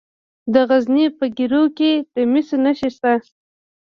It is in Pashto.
د غزني په ګیرو کې د مسو نښې شته.